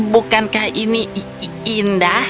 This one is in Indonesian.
bukankah ini indah